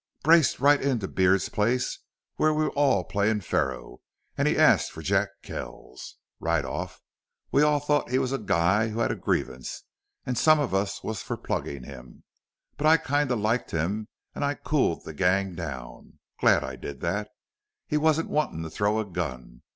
Braced right into Beard's place, where we was all playin' faro, an' he asks for Jack Kells. Right off we all thought he was a guy who had a grievance, an' some of us was for pluggin' him. But I kinda liked him an' I cooled the gang down. Glad I did that. He wasn't wantin' to throw a gun.